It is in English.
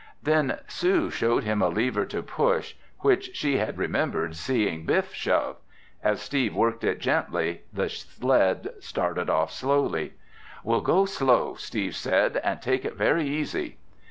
Then Sue showed him a lever to push which she had remembered seeing Biff shove. As Steve worked it gently, the sled started off slowly. "We'll go slow," Steve said, "and take it very easy."